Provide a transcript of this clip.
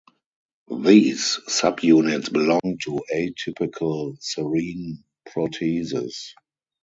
These subunits belong to atypical serine proteases.